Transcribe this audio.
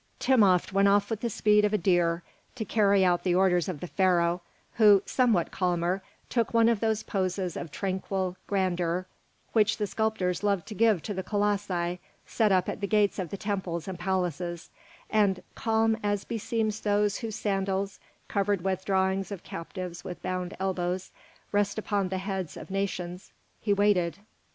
Timopht went off with the speed of a deer to carry out the orders of the Pharaoh, who, somewhat calmer, took one of those poses of tranquil grandeur which the sculptors love to give to the colossi set up at the gates of the temples and palaces, and calm as beseems those whose sandals, covered with drawings of captives with bound elbows, rest upon the heads of nations, he waited.